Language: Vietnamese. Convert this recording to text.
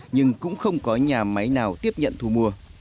nhưng cũng không có nhà máy nào tiếp nhận thu mua